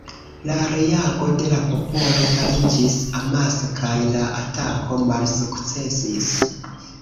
La reago de la popolo fariĝis amasa kaj la atako malsukcesis.